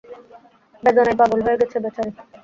বেদনায় পাগল হয়ে গেছে বেচারি!